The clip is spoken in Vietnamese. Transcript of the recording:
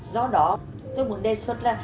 do đó tôi muốn đề xuất là